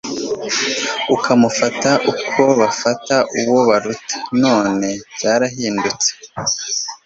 ukamufata uko bafata uwo baruta, none byarahindutse